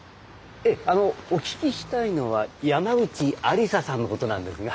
ええあのお聞きしたいのは山内愛理沙さんのことなんですが。